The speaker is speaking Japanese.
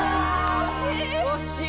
惜しい！